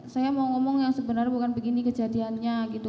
saya mau ngomong yang sebenarnya bukan begini kejadiannya gitu